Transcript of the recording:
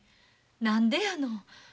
何でやの。